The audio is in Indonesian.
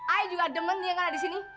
ayah juga demen dia nggak ada di sini